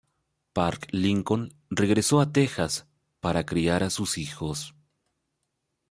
Park Lincoln regresó a Texas para criar a sus hijos.